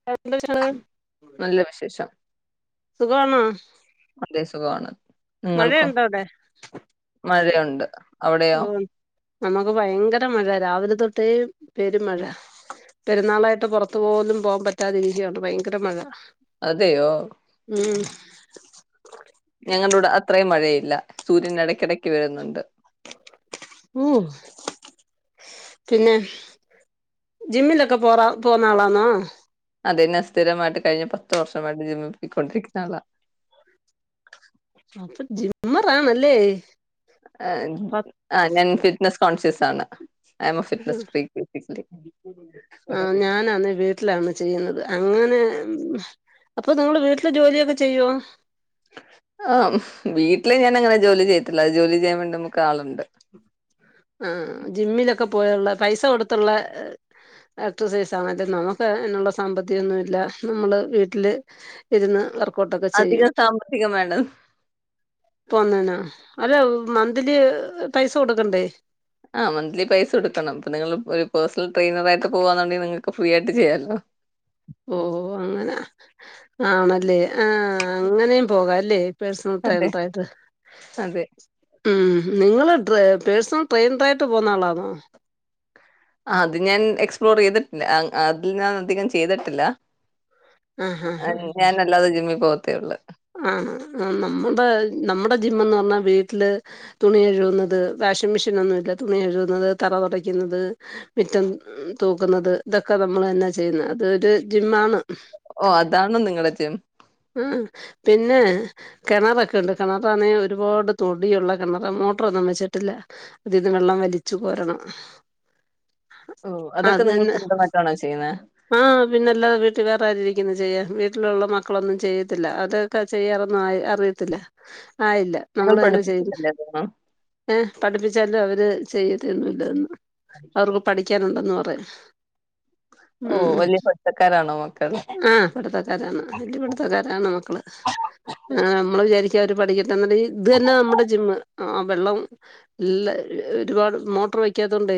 [unintelligible] നല്ല വിശേഷം സുഖമാണോ അതേ സുഖമാണ്. ഞങ്ങൾക്കും മഴയുണ്ടോ അവിടെ മഴയുണ്ട് അവിടെയോ ഓഹ് നമുക്ക് ഭയങ്കര മഴ രാവിലെ തൊട്ടേ പെരും മഴ. പെരുന്നാളായിട്ട് പുറത്തു പോകലും പോകാൻ പറ്റാതിരിക്കയാണ് ഭയങ്കര മഴ അതെയോ ഉം ഞങ്ങളുടെ ഇവിടെ അത്രയും മഴയില്ല സൂര്യൻ ഇടയ്ക്കിടക്ക് വരുന്നുണ്ട് ഉം ഓഹ് പിന്നെ ജിമ്മിലൊക്കെ പോറ പോവുന്ന ആളാണോ? അതെന്നെ അഹ് സ്ഥിരായിട്ട് കഴിഞ്ഞ പത്ത് വർഷയിട്ട് ജിമ്മിൽ പോയിക്കൊണ്ടിരിക്കുന്ന ആളാ. അപ്പൊ ജിമ്മർ ആണല്ലേ? ആഹ് ഞാൻ ഫിറ്റ്നസ് കോൺഷ്യസ് ആണ് ഐം ഫറ്റ്നസ് ഫ്രീ [inaudible] ആഹ് ഞാനെന്ന വെ വീട്ടിലാണ് ചെയ്യുന്നത് അങ്ങനെ അപ്പൊ നിങ്ങൾ വീട്ടില് ജോലിയൊക്കെ ചെയ്യോ? ആഹ് വീട്ടില് ഞാൻ അങ്ങനെ ജോലി ചെയ്തിട്ടില്ല അത് ജോലി ചെയ്യാൻ വേണ്ടി നമുക്ക് ആളുണ്ട് ആഹ് ജിമ്മിലൊക്കെ പോയുള്ള പൈസ കൊടുത്തുള്ള എക്സസൈസ് ആണെ നമുക്ക് എന്നുള്ള സാമ്പത്തികൊന്നുല്ല നമ്മള് വീട്ടില് ഇരുന്ന് വർക്കൗട്ടൊക്കെ ചെയ്യും അധികം സാമ്പത്തികം വേണ്ട പോന്ന്ണൊ അല്ല മന്ത്ലി പൈസ കൊടുക്കണ്ടേ ആഹ് മന്ത്ലി പൈസടുക്കണം ഇപ്പ നിങ്ങൾ ഒരു പേഴ്സണൽ ട്രെയിനറയിട്ട് പോവാന്നുണ്ടങ്കിൽ നിങ്ങൾക്ക് ഫ്രീ ആയി ചെയ്യല്ലോ ഓഹ് അങ്ങനെ ആണല്ലേ ആഹ് അങ്ങനെയും പോകല്ലേ പേഴ്സണൽ അതെ ട്രൈനെർ ആയിട്ട് അതെ ഉം നിങ്ങള് ഡ്രെ പേഴ്സണൽ ട്രെയിനർ ആയിട്ട് പോകന്ന ആളാണോ ആഹ് അത് ഞാൻ എക്സ്പ്ലോർ ചെയ്തിട്ടില്ല അതിൽ ഞാൻ അധികം ചെയ്തിട്ടില്ല ആഹ് ആഹ് ഞാാനല്ലാതെ ജിമ്മിൽ പോവത്തേ ഒള്ളു ആഹ് ആഹ് നമ്മുടെ നമ്മടെ ജിമ്മന്ന് പറഞ്ഞാ വീട്ടില് തുണി കഴുകുന്നത് വാഷിംഗ് മെഷീനൊന്നുല്ല തുണി കഴുകുന്നത് തറ തൊടയ്ക്കുന്നത് മിറ്റം തൂക്കുന്നത് ഇതൊക്കെ നമ്മൾ തന്നെ ചെയ്യുന്നത് അത് ഒരു ജിം ആണ് ഓഹ് അതാണ് നിങ്ങള് ജിം ഉം പിന്നെ കെണറൊക്കെ ഉണ്ട് കെണറാണെ ഒരുപാട് തൊടിയുള്ള കെണറാ മോട്ടറൊന്നും വെച്ചിട്ടില്ല അതീന്ന് വെള്ളം വലിച്ചു കോരണം ഓഹ് അതൊക്കെ അത് നിങ്ങൾ തന്നെ സ്വന്തമായിട്ടാണോ ചെയ്യുന്നത് ആഹ് പിന്നെല്ലാ വീട്ടിൽ വേറെ ആാര ഇരിക്കുന്നു ചെയ്യാൻ വീട്ടിലുള്ള മ മക്കളൊന്നും ചെയ്യത്തില്ല അതൊക്കെ ചെയ്യാറൊന്നും ആയി അറിയത്തില്ല ആയില്ല നിങ്ങൾ നമ്മളെന്നെ ചെയ്യുന്നു പഠിപ്പിച്ചിട്ടല്ലേ അതൊന്നും? ഏഹ് പഠിപ്പിച്ചാലു അവര് ചെയ്യതൊന്നുല്ലാന്ന് അവർക്ക് പഠിക്കാനുണ്ടെന്ന് പറയും. ഓഹ് ഉം വല്ല്യ പഠിത്തക്കാരാണോ മക്കള് ആഹ് പഠിത്തക്കാരാണ് വെല്ല്യ പഠിത്തക്കാരാണ് മക്കള് നമ്മള് വിചാരിക്കു പഠിക്ക എന്നിട്ട് ഇത് തന്നെ നമ്മുടെ ജിമ്മ്. ആഹ് വെള്ളം എല്ലാ ഒരുപാട് മോട്ടറ് വയ്ക്ക്യാത്തോണ്ടേ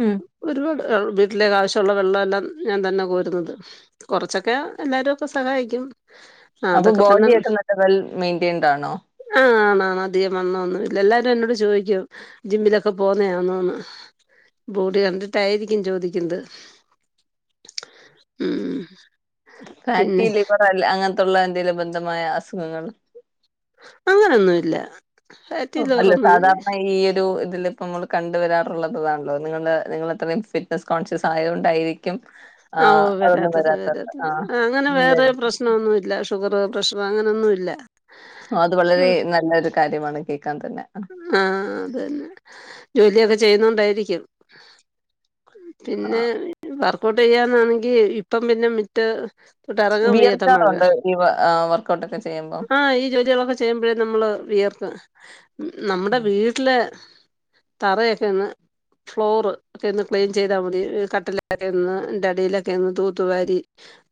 ഉം. ഒരുപാട് വീട്ടിലേക്ക് ആവശ്യൊള്ള വെള്ളവെല്ലാം ഞാൻ തന്നെ കോര്ന്നത് കൊറച്ചൊക്കെ എല്ലാരും പ്പ സഹായിക്കും. ആഹ് അപ്പൊ അതൊക്കെ തന്നെ ബോഡിയൊക്കെ നല്ല വെൽ മെയ്ന്റെയ്ൻ ടാണോ ആഹ് ആണാണ് അധികം വണ്ണംവൊന്നും ഇല്ല എല്ലാരും എന്നോട് ചോയിക്ക്യും ജിമ്മിലൊക്കെ പോക്ന്നെയാന്നോന്ന്. ബോഡി കണ്ടിട്ടായിരിക്കും ചോദിക്ക്ന്നത് ഉം. ഫാറ്റി പിന്നെ ലിവറല്ലേ അങ്ങൻതൊള്ള എന്തേലും ബന്ധമായ അസുഖങ്ങള് അങ്ങനൊന്നുല്ല. അല്ല സാധ ഇപ്പ ഈയൊരു ഇതില് പ്പം അമ്മള് കണ്ട് വരാറുള്ളത്ത്താണല്ലോ നിങ്ങള് നിങ്ങളത്രേം ഫിറ്റ്നസ് കോൺഷ്യസ് ആയോണ്ടായിരി ഓ വരാത്തത് വരാത്തത് അങ്ങനെ ആഹ്. വേറെ പ്രശ്നൊന്നുല്ല. ഷുഗറ് പ്രഷറ് അങ്ങനൊന്നുല്ല. ആഹ് അത് വളരെ നല്ല ഒരു കാര്യമാണ് കേക്കാൻ തന്നെ ആഹ് അതെന്നെ ജോലിയൊക്കെ ചെയ്യുന്നോണ്ടായിര്ക്കും. പിന്നെ ആഹ്. വർക്കൗട്ടെയ്യാനാണെങ്കി ഇപ്പൊ പിന്നെ മിറ്റം ട്ടെറങ്ങാൻ വയ്യാത്ത മഴ വിയർക്കാറുണ്ടോ ഈ വ ആഹ് വർക്കൗട്ടൊക്കെ ചെയുമ്പോ ആഹ് ഈ ജോല്യേളൊക്കെ ചെയ്യുമ്പഴേ നമ്മള് വിയർത്ത് നമ്മടെ വീ ട്ട്ലെ തറയൊക്കൊയൊന്ന് ഫ്ലോറ് ഒക്ക്യൊന്ന് ക്ലീൻ ചെയ്താ മതി കട്ടി [unintelligible] ന്റടീലൊക്കൊന്ന് തൂത്തുവാരി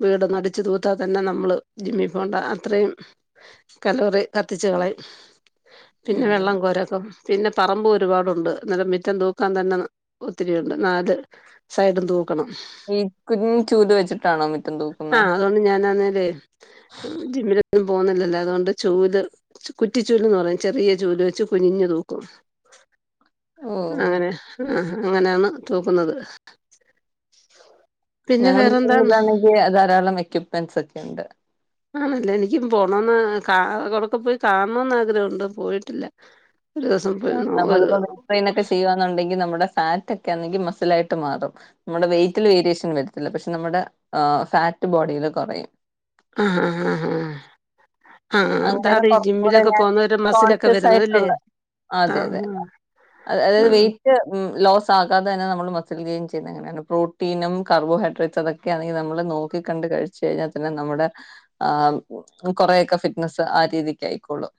വീടൊന്നടിച്ച് തൂത്താ തന്നെ നമ്മള് ജിമ്മി പോണ്ട അത്രയും കലോറി കത്തിച്ച് കളയും. പിന്നെ ഉം. വെള്ളം കോരാക്കോ പിന്നെ പറമ്പു ഒരുപാടുണ്ട് ന്ന രം മിറ്റം തൂക്കാൻ തന്നെ ഒത്തിരിയൊണ്ട്. നാത് സൈഡും തൂക്കണം. ഈ കുഞ്ഞ് ചൂല് വെച്ച്ട്ടാണോ മിറ്റം തൂക്കുന്നേ? തോന്ന് ഞാനാന്നേല്ലേ ജിമ്മില് ന്നും പോന്ന്ല്ലല്ലോ അത് കൊണ്ട് ചൂല് കുറ്റിച്ചൂല്ന്ന് പറയും ചെറിയ ചൂല് വെച്ച് കുനിഞ്ഞ് തൂക്കും. ഓഹ്. അങ്ങനെ ആഹ് അങ്ങനാന്ന് തൂക്ക്ന്നത്. ഞങ്ങള് [unintelligible] ണെങ്കി അഅ് ധാരാളം എക്യുപ്മെന്റ്സൊക്കെണ്ട്. ആണല്ലേ എനിക്കും പോണോന്ന് കാ അവ്ടൊക്കെ പോയി കാണ്ണോന്ന് ആഗ്രഹൊണ്ട് പോയിട്ടില്ല. ഒരു ദിവസം പോയി നോ ഒരു നമ്മളിപ്പോ [unintelligible] ഒക്കെ ചെയ്യുവാന്നുണ്ടെങ്കി നമ്മ്ടെ ഫാറ്റൊക്കെ ആന്നെങ്കി മസിലായിട്ട് മാറും. നമ്മ്ടെ വെയിറ്റില് വേരിയേഷൻ വരത്തില്ല. പക്ഷെ നമ്മടെ ആഹ് ഫാറ്റ് ബോഡീല് കൊറയും. ആഹ് ആഹാ ആഹാ. ആഹ് അങ്ങനെയൊക്കെ അതാതീ കുറച്ചും കൂടെ ജിമ്മിലൊക്കെ ഞാൻ പോന്നവര് മസ്സിലൊക്കെ കോൺഷ്യസ് വരുന്നത്‌ല്ലേ. ആയിട്ടുള്ള അതെ അതെ അത് അതാത് ആഹ് വെയിറ്റ് ഉം ലോസാകാതെ തന്നെ നമ്മള് മസ്സിൽ ഗെയിം ചെയ്യ്ന്നേ. അങ്ങനെ പ്രോട്ടീനും കാർബോഹൈഡ്രേറ്റ്സ് അതൊക്കെയാണെങ്കി നമ്മള് നോക്കി കണ്ട് കഴിച്ച് കഴിഞ്ഞാത്തന്നെ നമ്മടെ ആഹ് കൊറെയൊക്കെ ഫിറ്റ്നസ്സ് ആ രീതിക്ക് ആയിക്കോളും.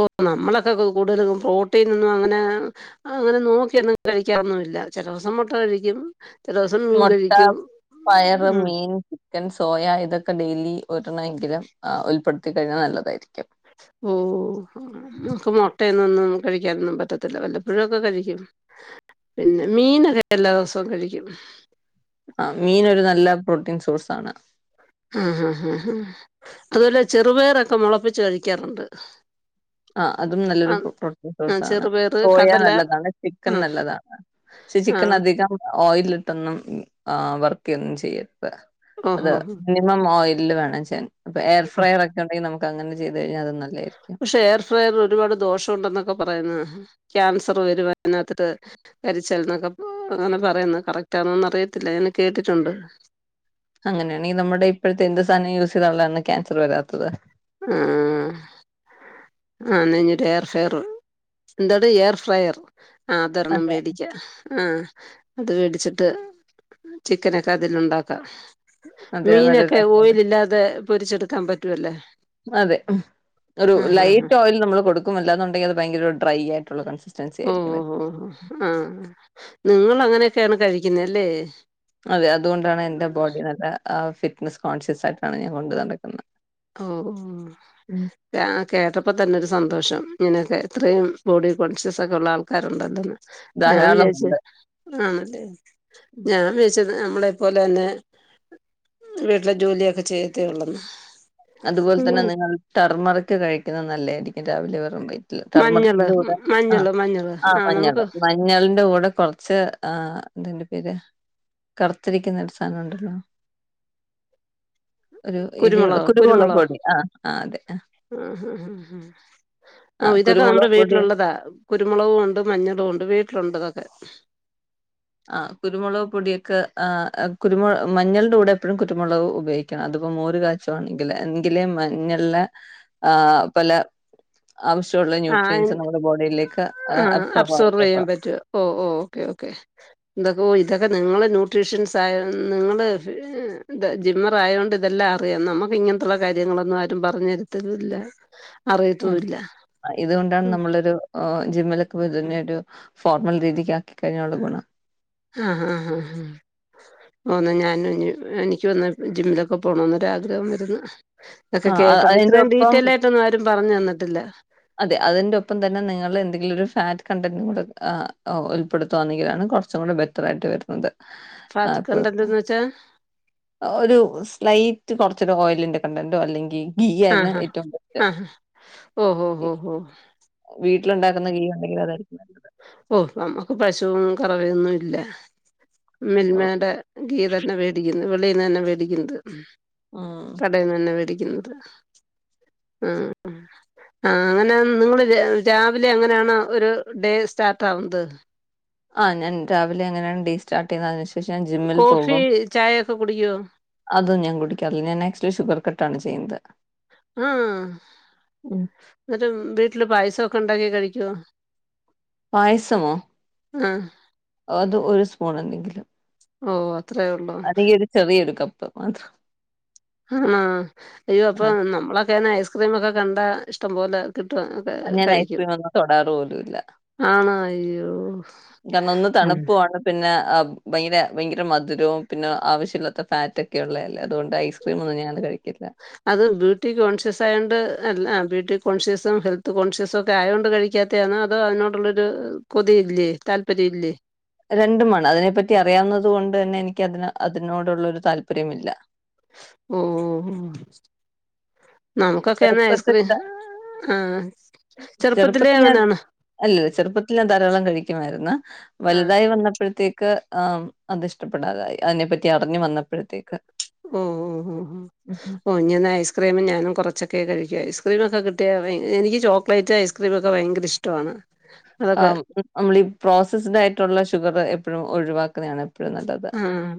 ഓഹ് നമ്മളൊക്കെ ക് കൂട്തലും പ്രോട്ടീനൊന്നും അങ്ങനെ അങ്ങനെ നോക്ക്യൊന്നും കഴിക്കാറൊന്നുവില്ല ചെലോസം മൊട്ട കഴിക്കും. ചെല ദിവസം മീൻ മൊട്ടാ, കഴിക്കും പയറ്, ഉം മീൻ ചിക്കൻ, സോയ ഇതൊക്കെ ഡെയിലി ഒരെണ്ണ എങ്കിലും അ ഉൾപ്പെട്ത്തി കഴിഞ്ഞാ നല്ലതായിര്ക്കും. ഓഹ് അ മക്ക് മൊട്ടയെന്നൊന്നും കഴിക്കാനൊന്നും പറ്റത്തില്ല വല്ലപ്പൊഴു ഒക്കെ കഴിക്കും. പിന്നെ മീനൊക്കെ എല്ലാ ദെവസോം കഴിക്ക്യും. ആഹ് മീനൊരു നല്ല പ്രോട്ടീൻ സോഴ്സാണ്. ആ ഹാ ഹ ഹ അതുപോലെ ചെറുപയറൊക്കെ മൊളപ്പിച്ച് കഴിക്കാറുണ്ട്. ആഹ് അതും നല്ലൊരു ആ പ്രൊ പ്രൊട്ടിൻ ആ സോസാണ്. ചെറുപയറ് സോയ കടല നല്ലതാണ്. ചിക്കൻ ആ നല്ലതാണ്. ക്ഷേ ആ ചിക്കൻ അധികം ഓയിലിട്ടൊന്നും അ വറക്കയൊന്നും ചെയ്യരുത്. അത് ഓഹോ ഹോ. നി മം ഓയിലിൽ വേണം ചെയാൻ. അപ്പൊ എയർ ഫ്രയർ ഒക്കെ ഉണ്ടെങ്കി നമുക്കങ്ങനെ ചെയ്ത് കഴിഞ്ഞാ അത് നല്ലായിരിക്കും. ക്ഷെ എയർ ഫ്രയർ ഒരുപാട് ദോഷം ഉണ്ടെന്നൊക്കെ പറയുന്നു. ക്യാൻസർ വരും അതിനകത്ത് ട്ട് കരി ച്ചാൽ ന്നൊക്കെ അങ്ങനെ പറയുന്നു. കറക്ടാണോന്ന റിയത്തില്ല. അങ്ങനെ കേട്ടിട്ടുണ്ട്. അങ്ങനെയാണെ നമ്മുടെ ഇപ്പഴ്ത്തെ എന്ത് സാനം യൂസെയ്താലാണ് ക്യാൻസർ വരാത്തത്? ആഹ്. ആഹ് ന്നാ ഞ്ഞി ഒരുഎയർ ഫ്രെയർ ന്താത് എയർ ഫ്രയർ. ആഹ് അതൊരെണ്ണം അതെ വേടിക്കാ. ആഹ് അത് വേടിച്ചിട്ട് ചിക്കനൊക്കെ അതിലുണ്ടാക്കാം. അതെ അത് നല്ലൊരു മീനൊക്കെ ആശയമാണ്. ഓയിലില്ലാതെ പൊരിച്ചെടുക്കാൻ പറ്റുവല്ലെ? അതെ. ഉം ഒരു ലൈറ്റോയിൽ നമ്മള് കൊടുക്കും. അല്ലാ ന്നുണ്ടെങ്കിൽ അത് ഭയങ്കരൊരു ഡ്രൈ ആയിട്ടുള്ള കൺസിസ് ഓ ഓ ഓ ഹ് ആഹ് നിങ്ങള ങ്ങനെയൊക്കെയാണ് കഴിക്കുന്നെ അല്ലേ? അതെ അതുകൊണ്ടാണ് എന്റെ ബോഡി നല്ല അ ഫിറ്റ്നസ് കോൺഷ്യസ് ആയിട്ടാണ് ഞാൻ കൊണ്ടു നടക്കുന്നത്. ഓ ആഹ്. ഉം. തെ ആഹ് കേട്ടപ്പ തന്നൊരു സന്തോഷം ഇങ്ങനൊക്കെ. ഇത്രയും ബോഡി കോൺഷ്യസൊക്കള്ള ആൾക്കാരുണ്ടല്ലോന്ന്. ഞാം വിചാരിച്ചു ധാരാളമുണ്ട് ആഹ് അതെ ഉം. ഞാം വിചാച്ചു ന്നാ ഞമ്മളെ പോലെന്നെ വീട്ടിലെ ജോലിയൊക്കെ ചെയ്യത്തേയുള്ളന്ന്. അതുപോലെ തന്നെ നിങ്ങൾ ടെർമറിക് കഴിക്കുന്നത് നല്ലതായിരിക്കും രാവിലെ വെറും വയറ്റിൽ മഞ്ഞള് ടെർമറിക്കിന്റെ കൂടെ ആ മഞ്ഞള് മഞ്ഞള് ആ ആഹ് മഞ്ഞള് നമുക്ക് മഞ്ഞളിന്റെ കൂടെ കുറച്ച് ആ എന്താ അതിന്റെ പേര് കറുത്തിരിക്കുന്ന ഒരു സാധനം ഉണ്ടല്ലോ? ഒരു എരിയോ കുരുമുളകൊ ആ ആ ആ ആ ആഹ് ഇതൊക്കെ നമ്മുടെ കുരുമുളക് പൊടി വീട്ടിലുള്ളതാ. കുരുമുളകും ഉണ്ട് മഞ്ഞളും ഉണ്ട് വീട്ടിലുണ്ട് ഇതൊക്കെ. ആ കുരുമുളക് പൊടിയൊക്കെ ആ കുരുമുളക് മഞ്ഞളിന്റെ കൂടെ എപ്പോഴും കുരുമുളക് ഉപയോഗി ക്കണം. അതിപ്പോ മോര് കാച്ചുവാണെങ്കില് എങ്കിലേ മഞ്ഞളിലെ ആ പല ആവശ്യമുള്ള ആഹ് ന്യൂട്രിയൻസ് നമ്മുടെ ബോഡിയിലേക്ക് ആഹ് അബ്സോർവ് ആകത്തുള്ളു. ചെയ്യാൻ ഓ ഓ ഓക്കേ ഓക്കേ എന്തൊക്കെ ഇതൊക്കെ നിങ്ങള് ന്യൂട്രീഷ്യൻസ് ആയ നിങ്ങള് ജിമ്മർ ആയതോണ്ട് ഇതെല്ലാം അറിയാം. നമുക്ക് ഇങ്ങനത്തുള്ള കാര്യങ്ങളൊന്നും ആരും പറഞ്ഞു തരുത്തെന്നും ഇല്ല അറിയത്തും ഉം ഇല്ല. ഇതുകൊണ്ടാണ് നമ്മളൊരു ജിമ്മിലൊക്കെ പോയി തന്നെ ഒരു ഫോർമൽ രീതിക്ക് ആക്കി കഴിഞ്ഞാലുള്ള ഗുണം. ആഹ് ആഹ് ഹാ ഹാ ഹാ ആന്നോ ഞാനും ഇനി എനിക്കുംഒന്ന് ജിമ്മിലൊക്കെ പോണന്ന് ഒരാഗ്രഹം വരുന്നു. ഇതൊക്കെ ആഹ് അതിന്റെ കേട്ടപ്പോഇത്രയും ഒപ്പം ഡീറ്റെയിൽ ആയിട്ടൊന്നും ആരും പറഞ്ഞ് തന്നിട്ടില്ല. അതെ അതിന്റെ ഒപ്പം തന്നെ നിങ്ങൾ എന്തെങ്കിലും ഒരു ഫാറ്റ് കണ്ടന്റ് കൂടെ ഉൾപ്പെടുത്തുകയാണെങ്കിലാണ് കുറച്ചും കൂടെ ബെറ്റ റായിട്ട് വരുന്നത്. ഫാറ്റ് അപ്പൊ കണ്ടന്റ് എന്ന് വെച്ചാ ഒരു സ്ലൈറ്റ് കുറച്ചൊരു ഓയിലിന്റെ കണ്ടന്റോ അല്ലെങ്കിൽ ഗീ ആയിരുന്നു ഏറ്റവും ബെസ്റ്റ്. ഓഹോ ഓഹോ ഹോ വീട്ടിലുണ്ടാക്കുന്ന ഗീ ഉണ്ടങ്കിൽ അതായിരിക്കും നല്ലത്. ഓ നമുക്ക് പശുവും കറവയൊന്നും ഇല്ല. ഓഹ് മിൽമയുടെ ഗീ തന്നെ വേടിക്കുന്നു. വെളിയിന്ന് തന്നെ വേടിക്കുന്നത്. ആഹ് കടയിൽ നിന്ന് തന്നെ മേടിക്കുന്നത്. ആ ആ അങ്ങനെ നിങ്ങൾ രാവിലെ അങ്ങനെയാണോ ഒരു ഡേ സ്റ്റാർട്ട് ആകുന്നത്? ആ ഞാൻ രാവിലെ അങ്ങനെയാണ് ഡേ സ്റ്റാർട്ട് ചെയ്യുന്നത്. അതിനുശേഷം ഞാൻ ജിമ്മിൽ കോഫി പോകും. ചായയൊക്കെ കുടിക്കുവോ അത് ഞാൻ കുടിക്കാറില്ല. ഞാൻ ആക്ച്വലി ഷുഗർ കട്ടാണ് ചെയ്യുന്നത്. മം ഉം എന്നിട്ട് വീട്ടില് പായസമൊക്കെ ഉണ്ടാക്കി കഴിക്കുവോ? പായസമോ? ആഹ് അത് ഒരു സ്പൂൺ എന്തെങ്കിലും ഓഹ് അത്രേയൊള്ളൊ അല്ലെങ്കിൽ ഒരു ചെവിയൊരു കപ്പ് മാത്രം ആണാ അയ്യോ അപ്പൊ ആഹ് നമ്മളൊക്കെ ആണേ ഐസ്ക്രീമൊക്കെ കണ്ടാ ഇഷ്ടം പോലെ കിട്ടുവ ഞാൻ ഐസ്ക്രീം ഒന്നും തോടാറ് പോലുല്ല. ആണോ അയ്യോ പ്പ പിന്നെ ഭയങ്കര ഭയങ്കര മധുരവും പിന്നെ ആവശ്യമില്ലാത്ത ഫാറ്റൊക്കെ ഉള്ളതല്ലേ അതുകൊണ്ട് ഐസ് ക്രീമൊന്നും ഞാനങനെ കഴിക്കില്ല. അത് ബ്യൂട്ടി കോൺഷ്യസ് ആയോണ്ട് അല്ല ബ്യൂട്ടി കോൺഷ്യസും ഹെൽത്ത് കോൺഷ്യസും ഒക്കെ ആയോണ്ട് കഴിക്ക ക്കാത്തായാണോ അത് അതിനോടുള്ളൊരു കൊതി ഇല്ലേ? താല്പര്യം ഇല്ലേ? രണ്ടുമാണ്. അതിനെപ്പറ്റി അറിയാവുന്നത് കൊണ്ട് തന്നെ എനിക്ക് അതിന് അതിനോടുള്ള ഒരു താല്പര്യമില്ല. ഓഹ് നമുക്കൊക്കെന്നെ ചെറുപ്പത്തിൽ ഐസ്ക്രീം ത- ആഹ് ചെറുപ്പത്തിലെ അങ്ങനെയാണ് അല്ല ചെറുപ്പത്തില് ഞാൻ ധാരാളം കഴിക്കുമായിരുന്ന് ആ വലുതായി വന്ന പ്പഴത്തേക്ക് ആ അത് ഇഷ്ടപ്പെടാതായി അതിനെ പറ്റി അറിഞ്ഞു വന്നപ്പഴത്തേക്ക് ഉം ഉം ഉം കുഞ്ഞിന്ന് ഐസ്ക്രീമും ഞാനും കുറച്ചൊക്കെ കഴിക്കും ഐസ്ക്രീമൊക്കെിട്ടിയ എനിക്ക് ചോക്ലേറ്റ് ഐസ്ക്രീമൊക്കെവയങ്കര ഇഷ് ഷ്ടമാണ് അതൊക്കെ നമ്മളീ പ്റോസസ്ടായിടുളള ഷുഗറ് എപ്പഴും ഒഴിവാക്കുന്നതാണ് എപ്പോഴും നല്ലത്. ആഹ് ആം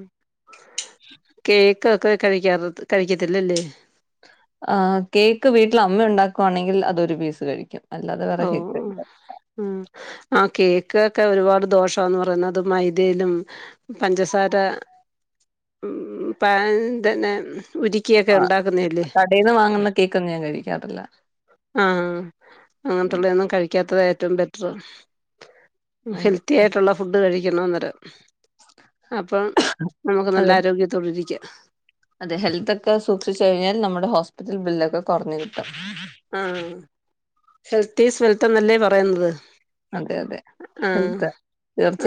കേക്കൊക്കെ കഴിക്കാറ കഴിക്കത്തില്ലല്ലേ ആഹ് കേക്ക് വീട്ടിൽ അമ്മ ഉണ്ടാക്കുവാണെങ്കിൽ അതൊരു പീസ് കഴിക്കും അല്ലാതെ വേറെ കേക്ക് ഓഹ് കഴിക്കാ ഉം ആ കേക്ക് ഒക്കെ ഒരുപാട് ദോഷാന്ന് പറയുന്നത് അത്‌ മൈദയിലും പഞ്ചസാര ഉം പാൻ തന്നെ ഉരി ക്കിയൊക്കെ ആഹ് ഉണ്ടാക്കുന്നല്ലേ കടേന്ന് വാങ്ങുന്ന കേക്കൊന്നും ഞാൻ കഴിക്കാറില്ല ആഹ് ഉം അങ്ങനത്തുള്ളതന്നും കഴിക്കാത്തതാ ഏറ്റവും ബെറ്ററ് അതെ ഹെൽത്തി ആയിട്ടുള്ള ഫുഡ് കഴിക്കണം അന്നരം അപ്പം നമുക്ക് നല്ല അതെ ആരോഗ്യത്തോടിരിക്ക അതെ ഹെൽത്ത് ഒക്കെ സൂക്ഷിച്ച് കഴിഞ്ഞാൽ നമ്മുടെ ഹോസ്പിറ്റൽ ബില്ലൊക്കെ കൊറഞ്ഞു കിട്ടും ആഹ് ഹെൽത്തീസ് വെൽത്ത്നല്ലേ പറയുന്നത് അതെ അതെ ആഹ് ഹെൽത്ത്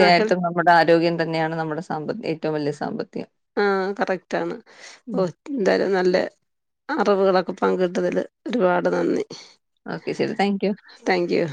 ആ ഹെൽ നമ്മുടെ ആരോഗ്യം തന്നെയാണ് നമ്മുടെ സാമ്പ ഏറ്റവും വലിയ സാമ്പത്തികം ആഹ് കറക്റ്റാണ് ഉം ഓ എന്തായാലും നല്ല അറിവുകളൊക്കെ പങ്കിട്ടതില് ഒരുപാട് നന്ദി ഓക്കെ ശരി താങ്ക്യു താങ്ക്യൂ